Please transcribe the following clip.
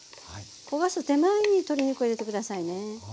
焦がす手前に鶏肉を入れて下さいね。